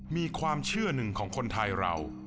มีความเชื่อหนึ่งของคนไทยเรา